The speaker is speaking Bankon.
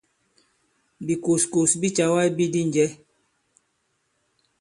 Bìkòskòs bi càwa ibi di njɛ̌.